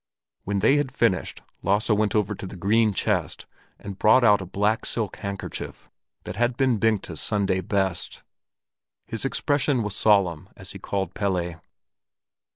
When they had finished, Lasse went to the green chest and brought out a black silk handkerchief that had been Bengta's Sunday best. His expression was solemn as he called Pelle.